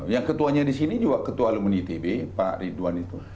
yang ketuanya di sini juga ketua alumni itb pak ridwan itu